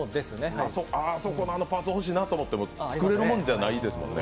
あそこのパーツ欲しいなと思っても、作れるもんじゃないですもんね。